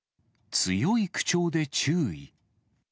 強い口調で注意。